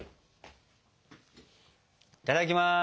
いただきます！